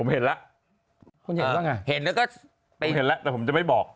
ผมเห็นแล้วคุณเห็นว่าไงเห็นแล้วก็ไปเห็นแล้วแต่ผมจะไม่บอก